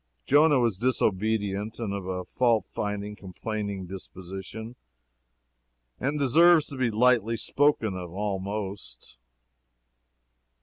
Jonah was disobedient, and of a fault finding, complaining disposition, and deserves to be lightly spoken of, almost.